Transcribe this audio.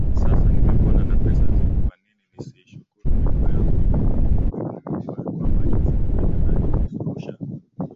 Sasa nimepona na pesa ziko kwanini nisiishukuru miguu yangu Ikumbukwe kwamba Jose Chameleone alijirusha